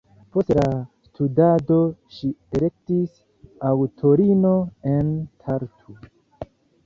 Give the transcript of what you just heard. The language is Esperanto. Post la studado ŝi ekestis aŭtorino en Tartu.